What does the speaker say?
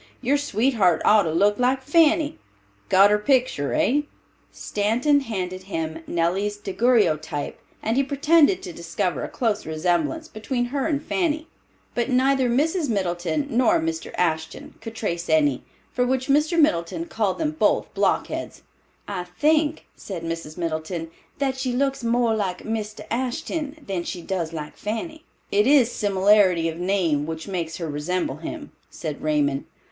Your sweetheart ought to look like Fanny. Got her picter, hey?" Stanton handed him Nellie's daguerreotype, and he pretended to discover a close resemblance between her and Fanny; but neither Mrs. Middleton, nor Mr. Ashton could trace any, for which Mr. Middleton called them both blockheads. "I think," said Mrs. Middleton, "that she looks more like Mr. Ashton than she does like Fanny." "It is similarity of name which makes her resemble him," said Raymond.